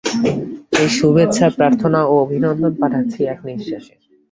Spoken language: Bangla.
এই শুভেচ্ছো, প্রার্থনা ও অভিনন্দন পাঠাচ্ছি এক নিঃশ্বাসে।